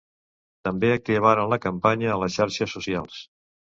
També activaran la campanya a les xarxes socials.